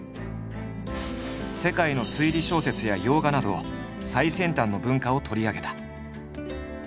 世界の推理小説や洋画など最先端の文化を取り上げた。